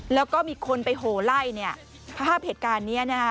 แล้วก็มีคนไปโหไล่เนี่ยภาพเหตุการณ์นี้นะฮะ